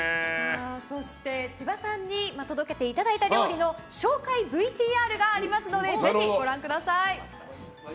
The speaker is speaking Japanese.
そして千葉さんに届けていただいた料理の紹介ＶＴＲがありますのでぜひご覧ください。